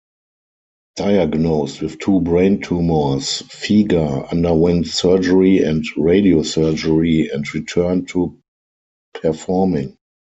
Diagnosed with two brain tumors, Fieger underwent surgery and radiosurgery and returned to performing.